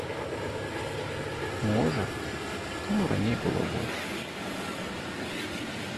Можа, таму раней было больш.